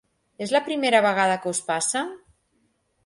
És la primera vegada que us passa?